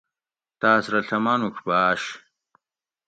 تاس رہ ڷہ مانوڛ بھاش